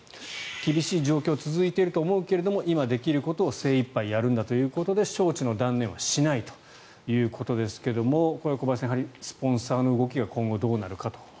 厳しい状況が続いていると思うけれど今できることを精いっぱいやるんだということで招致の断念はしないということですがこれは小林さんスポンサーの動きが今後どうなるかと。